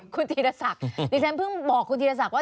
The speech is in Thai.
คุณธีรศักดิ์ดิฉันเพิ่งบอกคุณธีรศักดิ์